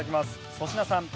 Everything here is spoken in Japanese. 粗品さん